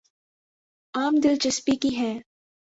عام دلچسپی کی ہیں